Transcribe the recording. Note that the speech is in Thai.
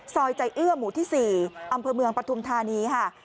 ใจเอื้อหมู่ที่๔อำเภอเมืองปฐุมธานีค่ะ